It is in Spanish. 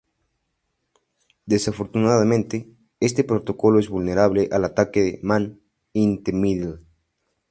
Desafortunadamente, este protocolo es vulnerable al ataque Man-in-the-middle.